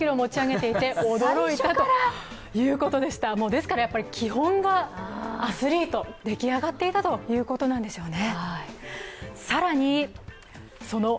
ですから、基本がアスリート出来上がっていたということなんでしょうね。